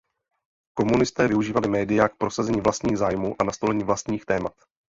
Komunisté využívali média k prosazení vlastních zájmů a nastolení vlastních témat.